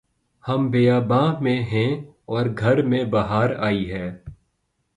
ہم بیاباں میں ہیں اور گھر میں بہار آئی ہے